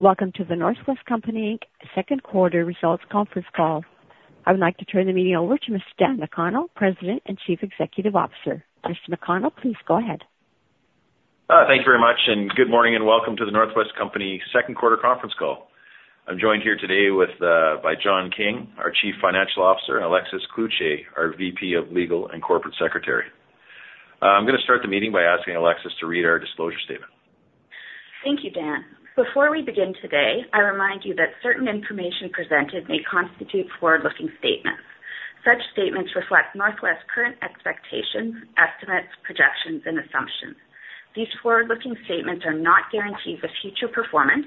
Welcome to The North West Company second quarter results conference call. I would like to turn the meeting over to Mr. Dan McConnell, President and Chief Executive Officer. Mr. McConnell, please go ahead. Thank you very much, and good morning, and welcome to The North West Company second quarter conference call. I'm joined here today with, by John King, our Chief Financial Officer, and Alexis Cloutier, our VP of Legal and Corporate Secretary. I'm gonna start the meeting by asking Alexis to read our disclosure statement. Thank you, Dan. Before we begin today, I remind you that certain information presented may constitute forward-looking statements. Such statements reflect North West's current expectations, estimates, projections, and assumptions. These forward-looking statements are not guarantees of future performance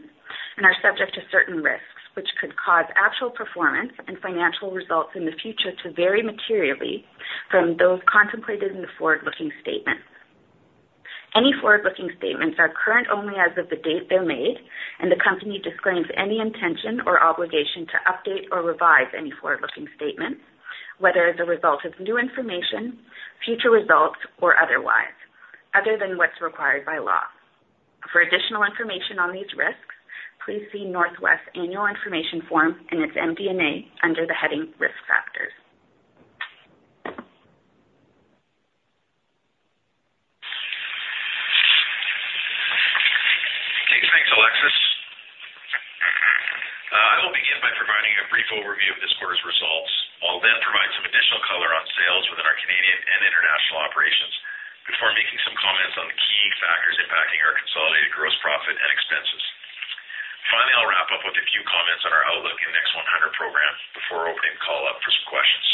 and are subject to certain risks, which could cause actual performance and financial results in the future to vary materially from those contemplated in the forward-looking statements. Any forward-looking statements are current only as of the date they're made, and the Company disclaims any intention or obligation to update or revise any forward-looking statements, whether as a result of new information, future results, or otherwise, other than what's required by law. For additional information on these risks, please see North West Annual Information Form and its MD&A under the heading Risk Factors. Okay, thanks, Alexis. I will begin by providing a brief overview of this quarter's results. I'll then provide some additional color on sales within our Canadian and international operations before making some comments on the key factors impacting our consolidated gross profit and expenses. Finally, I'll wrap up with a few comments on our outlook in the Next 100 program before opening the call up for some questions.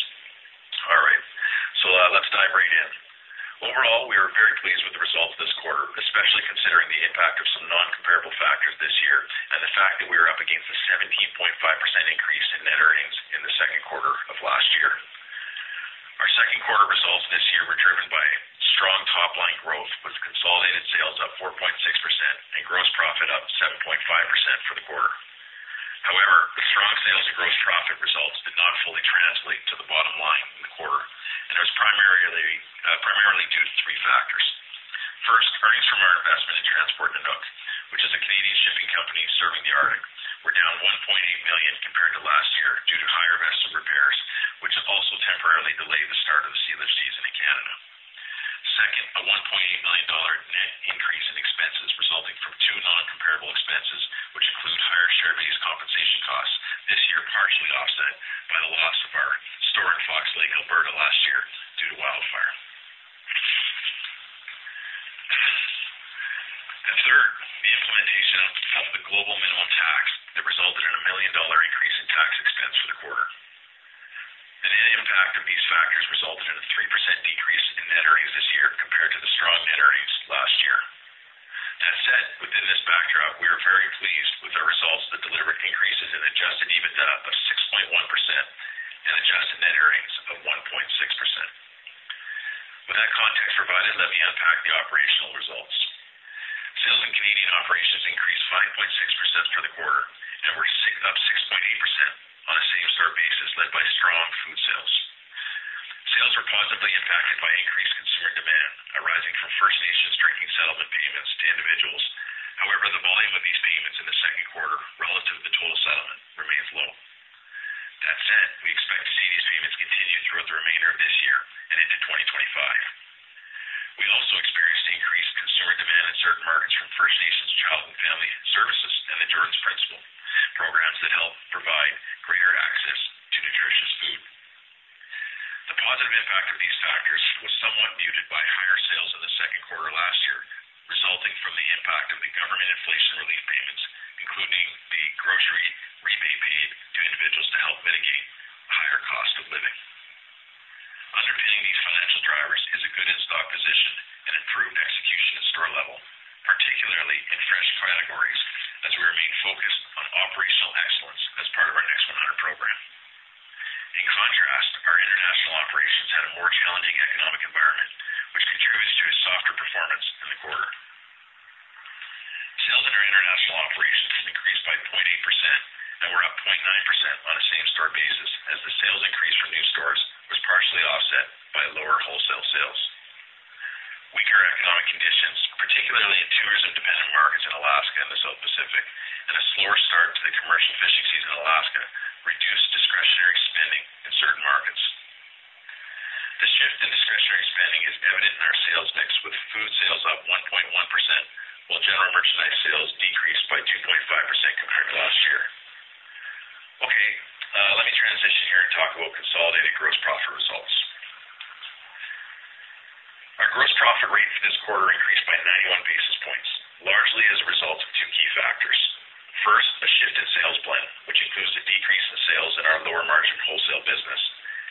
All right, so, let's dive right in. Overall, we are very pleased with the results this quarter, especially considering the impact of some non-comparable factors this year and the fact that we are up against a 17.5% increase in net earnings in the second quarter of last year. Our second quarter results this year were driven by strong top-line growth, with consolidated sales up 4.6% and gross profit up 7.5% for the quarter. However, the strong sales and gross profit results did not fully translate to the bottom line in the quarter and was primarily due to three factors. First, earnings from our investment in Transport Nanuk, which is a Canadian shipping company serving the Arctic, were down 1.8 million compared to last year due to higher vessel repairs, which also temporarily delayed the start of the sealift season in Canada. Second, a 1.8 million dollar net increase in expenses resulting from two non-comparable expenses, which include higher share-based compensation costs this year, partially offset by the loss of our store in Fox Lake, Alberta, last year due to wildfire. And third, the implementation of the global minimum tax that resulted in a CAD 1 million increase in tax expense for the quarter. The net impact of these factors resulted in a 3% decrease in net earnings this year compared to the strong net earnings last year. That said, within this backdrop, we are very pleased with the results that delivered increases in Adjusted EBITDA of 6.1% and adjusted net earnings of 1.6%. With that context provided, let me unpack the operational results. Sales in Canadian operations increased 5.6% for the quarter and were up 6.8% on a same-store basis, led by strong food sales. Sales were positively impacted by increased consumer demand arising from First Nations drinking settlement payments to individuals. However, the volume of these payments in the second quarter relative to the total settlement remains low. That said, we expect to see these payments continue throughout the remainder of this year and into 2025. We also experienced increased consumer demand in certain markets from First Nations Child and Family Services and the Jordan's Principle, programs that help provide greater access to nutritious food. The positive impact of these factors was somewhat muted by higher sales in the second quarter last year, resulting from the impact of the government inflation relief payments, including the Grocery Rebate paid to individuals to help mitigate higher cost of living. Underpinning these financial drivers is a good in-stock position and improved execution at store level, particularly in fresh categories, as we remain focused on operational excellence as part of our Next 100 program. In contrast, our international operations had a more challenging economic environment, which contributed to a softer performance in the quarter. Sales in our international operations increased by 0.8% and were up 0.9% on a same-store basis, as the sales increase from new stores was partially offset by lower wholesale sales. Weaker economic conditions, particularly in tourism-dependent markets in Alaska and the South Pacific, and a slower start to the commercial fishing season in Alaska, reduced discretionary spending in certain markets. The shift in discretionary spending is evident in our sales mix, with food sales up 1.1%, while general merchandise sales decreased by 2.5% compared to last year. Okay, let me transition here and talk about consolidated gross profit results. Our gross profit rate for this quarter increased by 91 basis points, largely as a result of two key factors. First, a shift in sales plan, which includes a decrease in sales in our lower-margin wholesale business.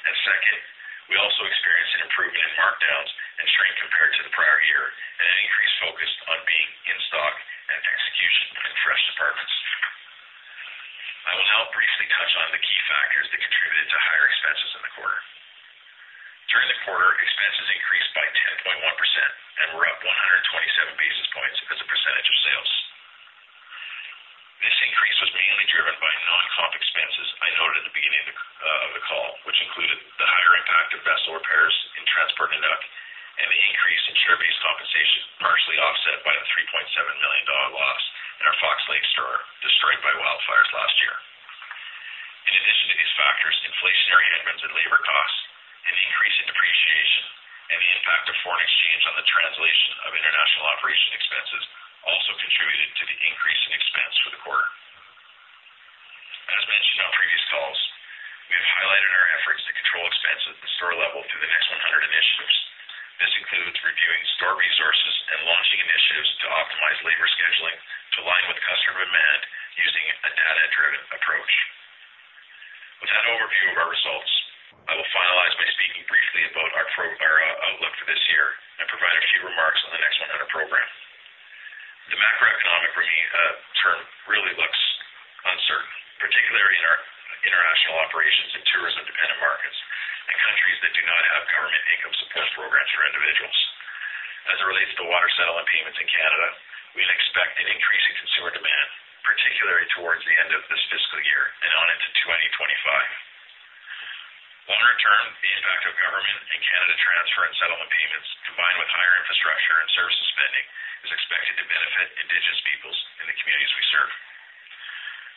And second, we also experienced an improvement in markdowns and shrink compared to the prior year and an increased focus on being in stock and execution in fresh departments. I will now briefly touch on the key factors that contributed to higher expenses in the quarter. During the quarter, expenses increased by 10.1% and were up 127 basis points as a percentage of sales. This increase-... I noted at the beginning of the, of the call, which included the higher impact of vessel repairs in Transport Nanuk and the increase in share-based compensation, partially offset by the 3.7 million dollar loss in our Fox Lake store, destroyed by wildfires last year. In addition to these factors, inflationary headwinds and labor costs, and the increase in depreciation and the impact of foreign exchange on the translation of international operation expenses also contributed to the increase in expense for the quarter. As mentioned on previous calls, we have highlighted our efforts to control expenses at the store level through the Next 100 initiatives. This includes reviewing store resources and launching initiatives to optimize labor scheduling to align with customer demand using a data-driven approach. With that overview of our results, I will finalize by speaking briefly about our outlook for this year and provide a few remarks on the Next 100 program. The macroeconomic near term really looks uncertain, particularly in our international operations in tourism-dependent markets and countries that do not have government income support programs for individuals. As it relates to the water settlement payments in Canada, we expect an increase in consumer demand, particularly towards the end of this fiscal year and on into 2025. Longer term, the impact of Government of Canada transfer and settlement payments, combined with higher infrastructure and services spending, is expected to benefit Indigenous peoples in the communities we serve.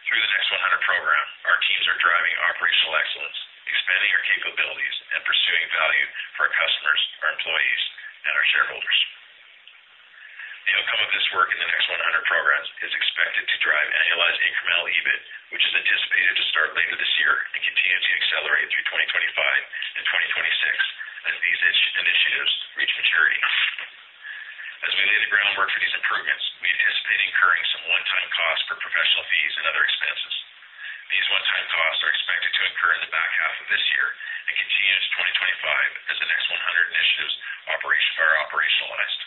Through the Next 100 program, our teams are driving operational excellence, expanding our capabilities, and pursuing value for our customers, our employees, and our shareholders. The outcome of this work in the Next 100 programs is expected to drive annualized incremental EBIT, which is anticipated to start later this year and continue to accelerate through 2025 and 2026 as these initiatives reach maturity. As we lay the groundwork for these improvements, we anticipate incurring some one-time costs for professional fees and other expenses. These one-time costs are expected to incur in the back half of this year and continue into 2025 as the Next 100 initiatives are operationalized.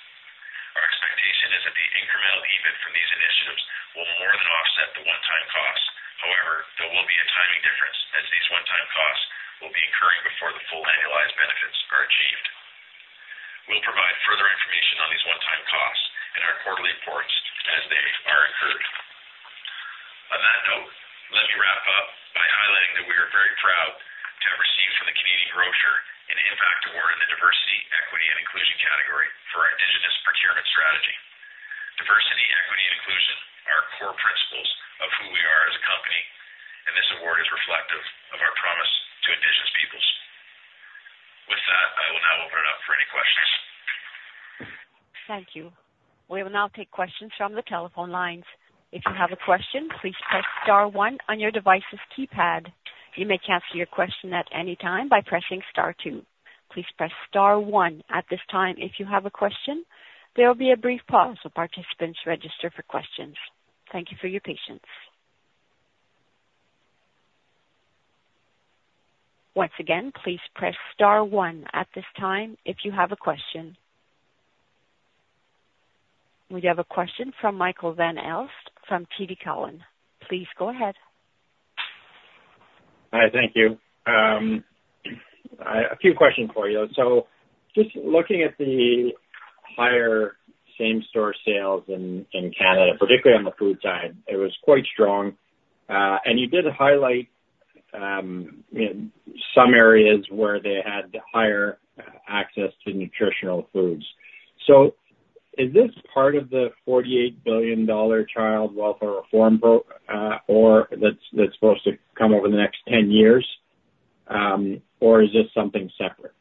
Our expectation is that the incremental EBIT from these initiatives will more than offset the one-time costs. However, there will be a timing difference as these one-time costs will be incurring before the full annualized benefits are achieved. We'll provide further information on these one-time costs in our quarterly reports as they are incurred. On that note, let me wrap up by highlighting that we are very proud to have received from Canadian Grocer an Impact Award in the Diversity, Equity and Inclusion category for our Indigenous Procurement Strategy. Diversity, equity, and inclusion are core principles of who we are as a company, and this award is reflective of our promise to Indigenous peoples. With that, I will now open it up for any questions. Thank you. We will now take questions from the telephone lines. If you have a question, please press star one on your device's keypad. You may cancel your question at any time by pressing star two. Please press star one at this time if you have a question. There will be a brief pause while participants register for questions. Thank you for your patience. Once again, please press star one at this time if you have a question. We have a question from Michael Van Aelst, from TD Cowen. Please go ahead. Hi, thank you. A few questions for you. So just looking at the higher same-store sales in Canada, particularly on the food side, it was quite strong. And you did highlight, you know, some areas where they had higher access to nutritional foods. So is this part of the 48 billion dollar child welfare reform or that's supposed to come over the next 10 years, or is this something separate?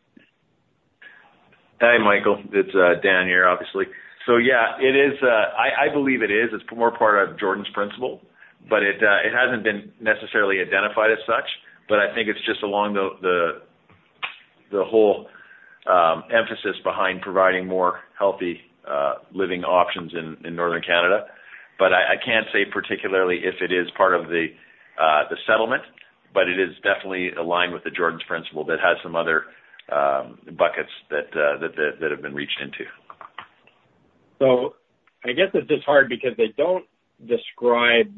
Hi, Michael. It's Dan here, obviously. Yeah, it is. I believe it is. It's more part of Jordan's Principle, but it hasn't been necessarily identified as such, but I think it's just along the whole emphasis behind providing more healthy living options in northern Canada. But I can't say particularly if it is part of the settlement, but it is definitely aligned with the Jordan's Principle that has some other buckets that have been reached into. I guess it's just hard because they don't describe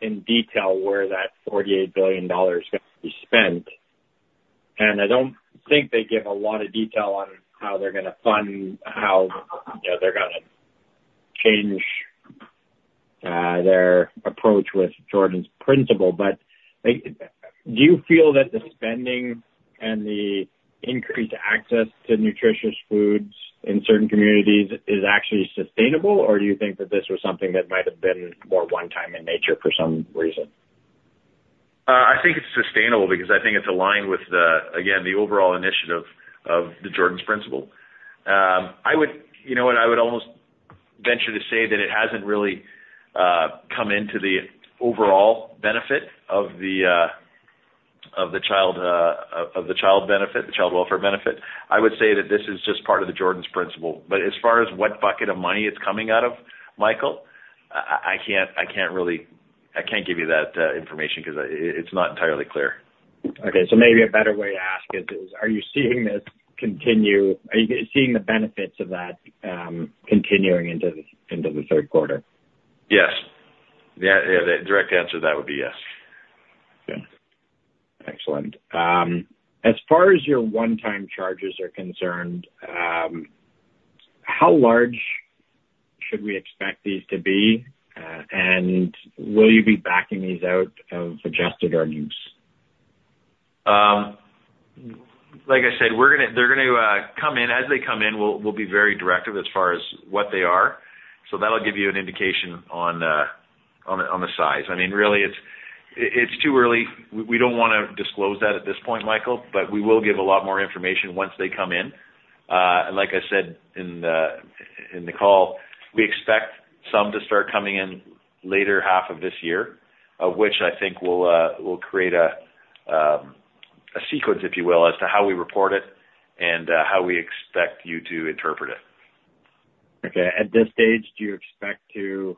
in detail where that 48 billion dollars is going to be spent. I don't think they give a lot of detail on how they're gonna fund, you know, they're gonna change their approach with Jordan's Principle. Like, do you feel that the spending and the increased access to nutritious foods in certain communities is actually sustainable, or do you think that this was something that might have been more one time in nature for some reason? I think it's sustainable because I think it's aligned with the, again, the overall initiative of the Jordan's Principle. I would... You know what? I would almost venture to say that it hasn't really come into the overall benefit of the child benefit, the child welfare benefit. I would say that this is just part of the Jordan's Principle. But as far as what bucket of money it's coming out of, Michael, I can't really- I can't give you that information because it's not entirely clear. Okay, so maybe a better way to ask it is, are you seeing the benefits of that continuing into the third quarter? Yes. Yeah, the direct answer to that would be yes. Okay, excellent. As far as your one-time charges are concerned, how large should we expect these to be? And will you be backing these out of adjusted earnings? Like I said, they're gonna come in. As they come in, we'll be very directive as far as what they are. So that'll give you an indication on the size. I mean, really, it's too early. We don't wanna disclose that at this point, Michael, but we will give a lot more information once they come in. And like I said, in the call, we expect some to start coming in later half of this year, of which I think will create a sequence, if you will, as to how we report it and how we expect you to interpret it. Okay. At this stage, do you expect to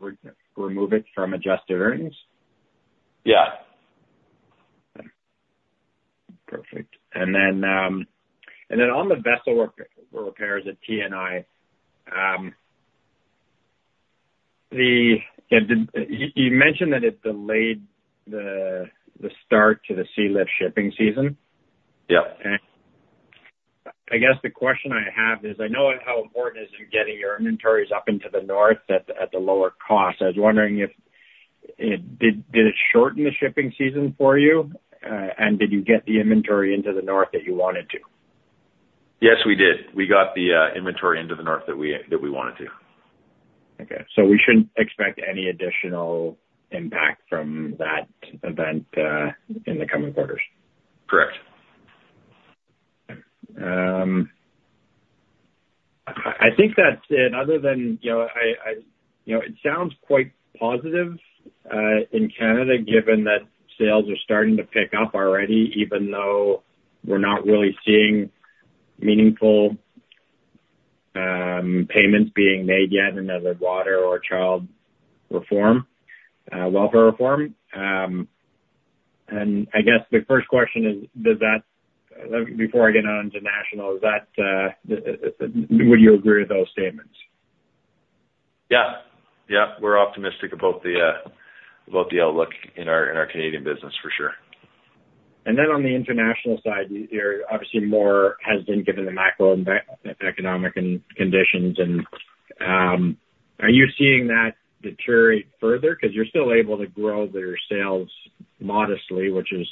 re-remove it from adjusted earnings? Yeah. Perfect. And then on the vessel repairs at TNI, did you mention that it delayed the start to the sealift shipping season? Yeah. I guess the question I have is, I know how important it is in getting your inventories up into the north at the lower cost. I was wondering if did it shorten the shipping season for you? And did you get the inventory into the north that you wanted to? Yes, we did. We got the inventory into the north that we wanted to. Okay. So we shouldn't expect any additional impact from that event, in the coming quarters? Correct. I think that's it, other than, you know, it sounds quite positive in Canada, given that sales are starting to pick up already, even though we're not really seeing meaningful payments being made yet, another water or child reform, welfare reform. And I guess the first question is, before I get on to international, does that, would you agree with those statements? Yeah. Yeah, we're optimistic about the outlook in our Canadian business, for sure. And then on the international side, you're obviously more hesitant, given the macro and economic conditions, and are you seeing that deteriorate further? 'Cause you're still able to grow your sales modestly, which is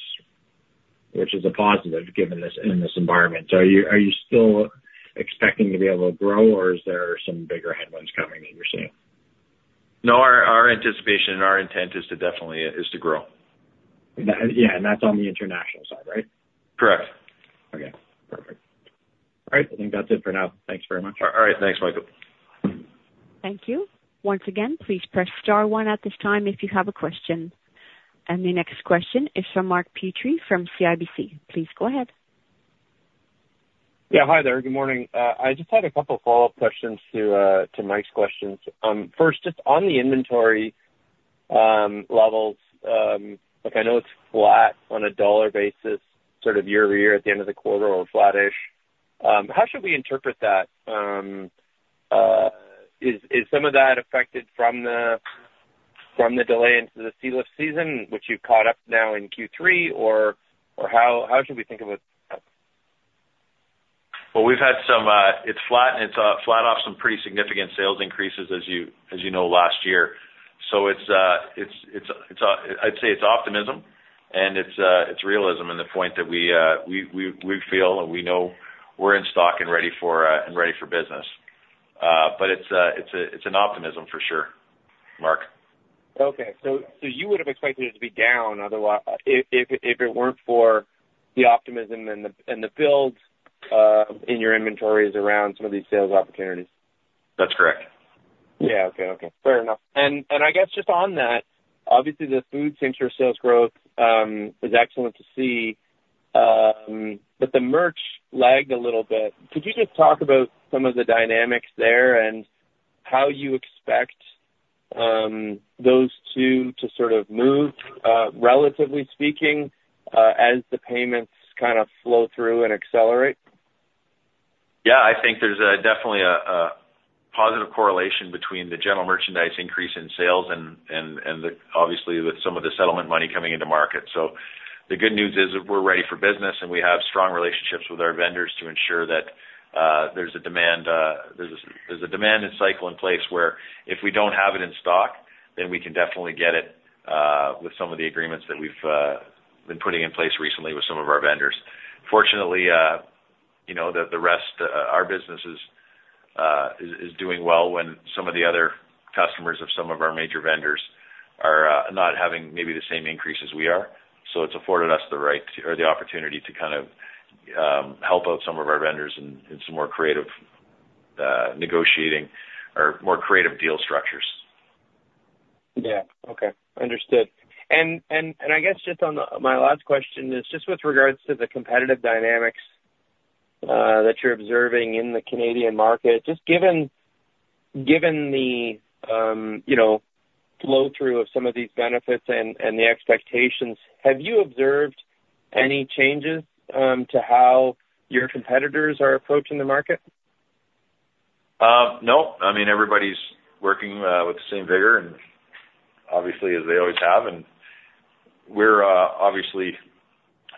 a positive, given this in this environment. So are you still expecting to be able to grow, or is there some bigger headwinds coming that you're seeing? No, our anticipation and our intent is to definitely grow. Yeah, and that's on the international side, right? Correct. Okay, perfect. All right, I think that's it for now. Thanks very much. All right. Thanks, Michael. Thank you. Once again, please press star one at this time if you have a question. And the next question is from Mark Petrie from CIBC. Please go ahead. Yeah, hi there. Good morning. I just had a couple follow-up questions to Mike's questions. First, just on the inventory levels, look, I know it's flat on a dollar basis, sort of year-over-year, at the end of the quarter or flattish. How should we interpret that? Is some of that affected from the delay into the sealift season, which you've caught up now in Q3 or how should we think of it? We've had some. It's flat, and it's flat off some pretty significant sales increases, as you know, last year. So it's optimism, and it's realism to the point that we feel and we know we're in stock and ready for business. But it's an optimism for sure, Mark. Okay, so you would have expected it to be down otherwise, if it weren't for the optimism and the builds in your inventories around some of these sales opportunities? That's correct. Yeah. Okay. Fair enough. And I guess just on that, obviously, the food center sales growth is excellent to see. But the merch lagged a little bit. Could you just talk about some of the dynamics there and how you expect those two to sort of move relatively speaking as the payments kind of flow through and accelerate? Yeah, I think there's definitely a positive correlation between the general merchandise increase in sales and the settlement money coming into the market. Obviously, with some of the settlement money coming into the market, the good news is we're ready for business, and we have strong relationships with our vendors to ensure that there's a demand and cycle in place, where if we don't have it in stock, then we can definitely get it with some of the agreements that we've been putting in place recently with some of our vendors. Fortunately, you know, the rest of our business is doing well when some of the other customers of some of our major vendors are not having maybe the same increase as we are. So it's afforded us the right or the opportunity to kind of help out some of our vendors in some more creative negotiating or more creative deal structures. Yeah. Okay, understood. And I guess just on the... My last question is just with regards to the competitive dynamics that you're observing in the Canadian market. Just given the, you know, flow-through of some of these benefits and the expectations, have you observed any changes to how your competitors are approaching the market? No. I mean, everybody's working with the same vigor and obviously, as they always have, and we're obviously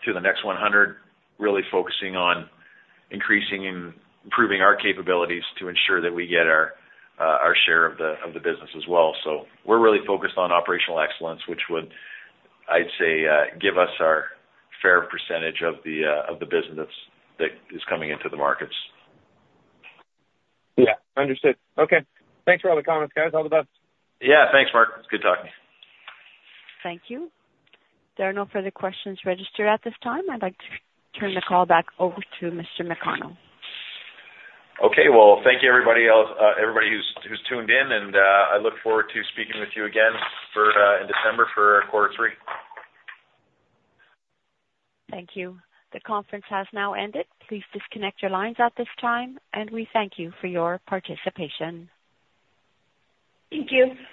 to the Next 100, really focusing on increasing and improving our capabilities to ensure that we get our share of the business as well, so we're really focused on operational excellence, which would, I'd say, give us our fair percentage of the business that is coming into the markets. Yeah, understood. Okay, thanks for all the comments, guys. All the best. Yeah, thanks, Mark. It's good talking to you. Thank you. There are no further questions registered at this time. I'd like to turn the call back over to Mr. McConnell. Okay. Well, thank you, everybody else, everybody who's tuned in, and I look forward to speaking with you again for, in December for our quarter three. Thank you. The conference has now ended. Please disconnect your lines at this time, and we thank you for your participation. Thank you.